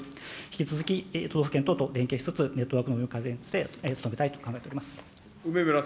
引き続き都道府県等と連携しつつ、ネットワークの改善に努めたいと考えております。